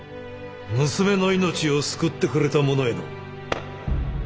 娘の命を救ってくれた者への。